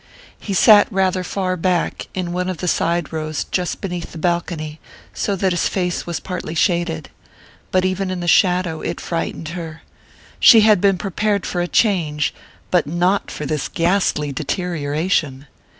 He sat rather far back, in one of the side rows just beneath the balcony, so that his face was partly shaded. But even in the shadow it frightened her. She had been prepared for a change, but not for this ghastly deterioration.